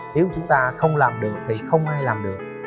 nếu chúng ta không làm được thì không ai làm được